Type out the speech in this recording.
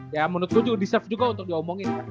ya menurut gue juga deserve juga untuk diomongin